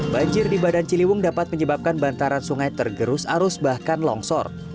banjir di badan ciliwung dapat menyebabkan bantaran sungai tergerus arus bahkan longsor